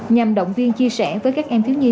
nhằm động viên chia sẻ với các em thiếu nhi